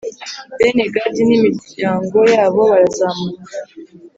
Bene Gadi n imiryango yabo barazamuka